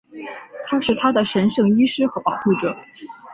他是她的神圣医师和保护者。